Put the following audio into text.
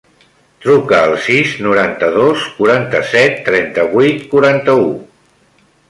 Truca al sis, noranta-dos, quaranta-set, trenta-vuit, quaranta-u.